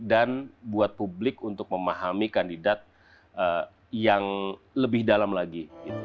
buat publik untuk memahami kandidat yang lebih dalam lagi